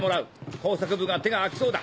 工作部が手が空きそうだ。